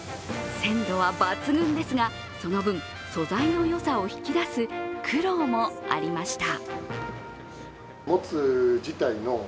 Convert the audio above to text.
鮮度は抜群ですが、その分、素材の良さを引き出す苦労もありました。